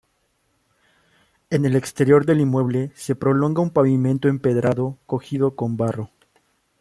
En el exterior del inmueble se prolonga un pavimento empedrado cogido con barro.